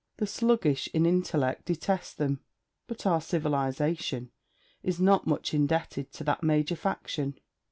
The sluggish in intellect detest them, but our civilization is not much indebted to that major faction.